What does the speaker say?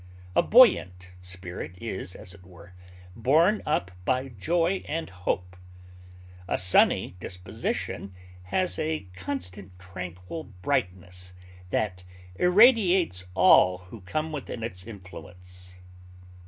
A buoyant spirit is, as it were, borne up by joy and hope. A sunny disposition has a constant tranquil brightness that irradiates all who come within its influence.